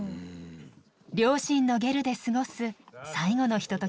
両親のゲルで過ごす最後のひとときです。